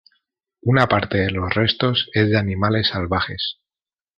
Una parte de los restos es de animales salvajes.